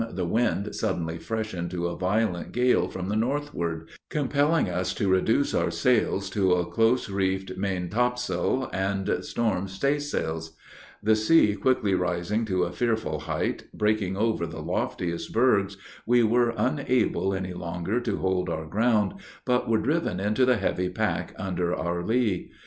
the wind suddenly freshened to a violent gale from the northward, compelling us to reduce our sails to a close reefed main topsail and storm staysails: the sea quickly rising to a fearful height, breaking over the loftiest bergs, we were unable any longer to hold our ground, but were driven into the heavy pack under our lee.